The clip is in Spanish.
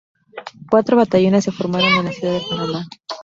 Cuatro batallones se formaron en la Ciudad de Panamá.